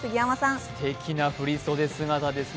すてきな振り袖姿ですね。